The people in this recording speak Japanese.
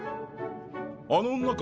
あの女か？